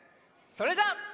それじゃあ。